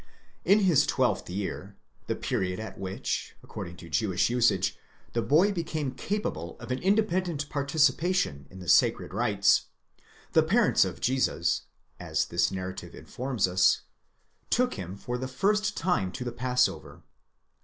In his twelfth year, the period at which, according to Jewish usage, the boy became capable of an independent participation in the sacred rites, the parents of Jesus, as this narrative informs us, took him for the first time to the Pass over.